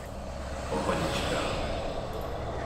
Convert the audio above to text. Pohodička.